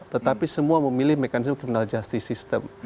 tetapi semua memilih mekanisme criminal justice system